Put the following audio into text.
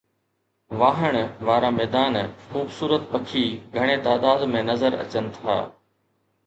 واهڻ وارا ميدان، خوبصورت پکي گهڻي تعداد ۾ نظر اچن ٿا.